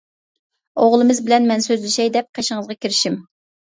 ئوغلىمىز بىلەن مەن سۆزلىشەي دەپ قىشىڭىزغا كىرىشىم.